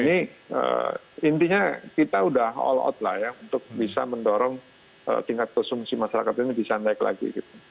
ini intinya kita sudah all out lah ya untuk bisa mendorong tingkat konsumsi masyarakat ini bisa naik lagi gitu